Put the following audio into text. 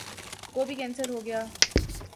کو بھی کینسر ہو گیا ؟